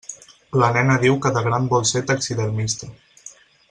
La nena diu que de gran vol ser taxidermista.